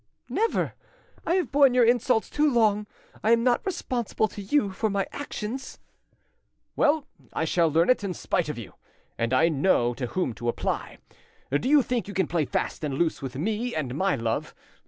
"Never! I have borne your insults too long. I am not responsible to you for my actions." "Well, I shall learn it, in spite of you, and I know to whom to apply. Do you think you can play fast and loose with me and my love?